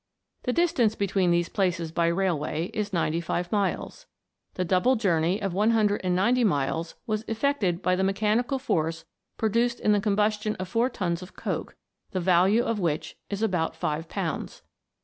The distance between these places by railway is 95 miles. The double journey of 190 miles was effected by the mechanical force produced in the combustion of four tons of coke, the value of which is about five pounds.